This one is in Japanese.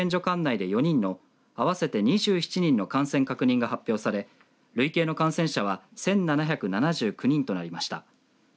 管内で４人の合わせて２７人の感染確認が発表され累計の感染者は１７７９人となりました。